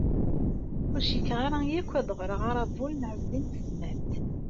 Ur cikkeɣ akk ad ɣreɣ aṛabul n Ɛezdin n Tezmalt.